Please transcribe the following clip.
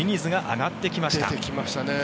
出てきましたね。